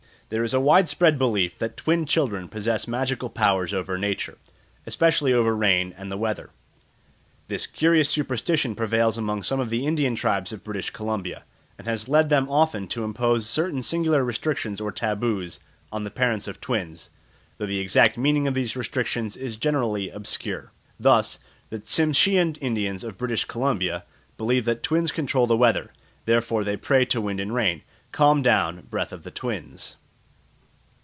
There is a widespread belief that twin children possess magical powers over nature, especially over rain and the weather. This curious superstition prevails among some of the Indian tribes of British Columbia, and has led them often to impose certain singular restrictions or taboos on the parents of twins, though the exact meaning of these restrictions is generally obscure. Thus the Tsimshian Indians of British Columbia believe that twins control the weather; therefore they pray to wind and rain, "Calm down, breath of the twins."